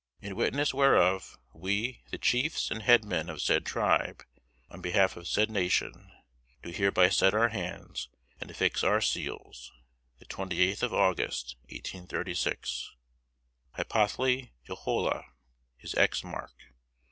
S.]" "In witness whereof, we, the Chiefs and Head men of said tribe, on the behalf of said Nation, do hereby set our hands and affix our seals, the 28th of August, 1836." "HYPOTHLE YOHOLA, his X mark, [L.